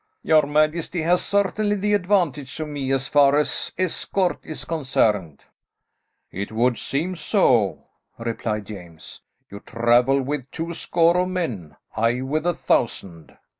"Your majesty has certainly the advantage of me as far as escort is concerned." "It would seem so," replied James. "You travel with twoscore of men; I with a thousand."